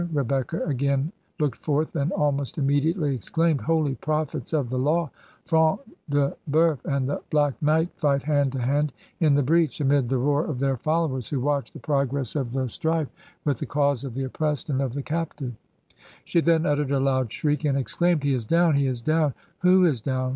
Rebecca again looked forth and almost immediately exclaimed, 'Holy prophets of the lawl Front de Boeuf and the Black Knight fight hand to hand in the breach, amid the roar of their followers, who watch the progress of the strife 93 Digitized by VjOOQIC HEROINES OF FICTION with the cause of the oppressed and of the captivel' She then uttered a loud shriek, and exclaitned, 'He is downl — he is downl' 'Who is down?'